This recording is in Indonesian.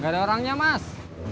gak ada orangnya mas